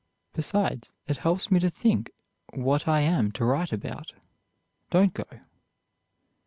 Besides, it helps me to think what I am to write about. Don't go."